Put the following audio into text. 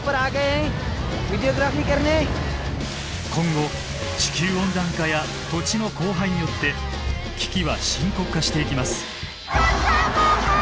今後地球温暖化や土地の荒廃によって危機は深刻化していきます。